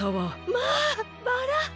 まあバラ。